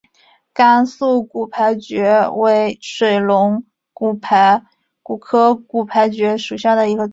甘肃骨牌蕨为水龙骨科骨牌蕨属下的一个种。